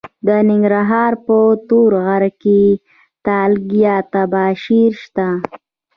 د ننګرهار په تور غره کې تالک یا تباشیر شته.